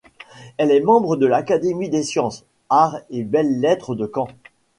Elle est membre de l'Académie des sciences, arts et belles-lettres de Caen.